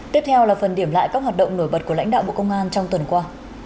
tiếp theo là phần điểm lại các hoạt động nổi bật của lãnh đạo bộ công an trong tuần qua